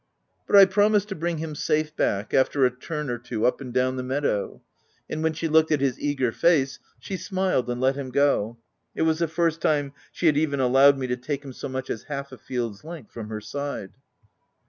But I promised to bring him safe back, after a turn or two up and down the meadow ; and when she looked at his eager face, she smiled and let him go. It was the first time she had even allowed me to take him so much as half a field's length from her side.